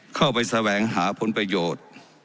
เข้าไปแสวงหาผลประโยชน์